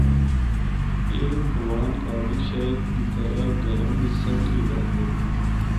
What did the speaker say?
اے ہندکوان کابل شہر دی طرح گھراں بچ صندلی ڈالدے ہن۔